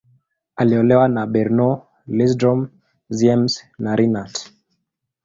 Aliolewa na Bernow, Lindström, Ziems, na Renat.